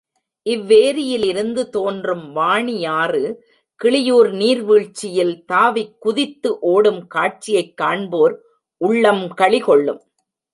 இவ்வேரியிலிருந்து தோன்றும் வாணியாறு, கிளியூர் நீர் வீழ்ச்சியில் தாவிக் குதித்து ஓடும் காட்சியைக் காண்போர் உள்ளம் களி கொள்ளும்.